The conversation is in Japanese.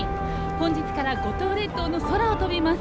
本日から五島列島の空を飛びます。